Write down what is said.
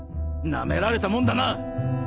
なめられたもんだな。